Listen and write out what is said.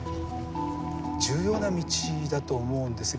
重要な道だと思うんですが。